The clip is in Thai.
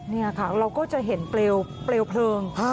นี่ค่ะเราก็จะเห็นเปลวเพลิง